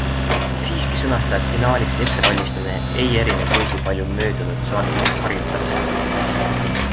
Siiski sõnas ta, et finaaliks ettevalmistumine ei erine kuigi palju möödunud saadeteks harjutamisest.